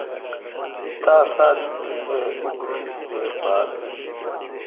تا ساہ دیت تے° بہ اوکوشیل کیر باز بیل۔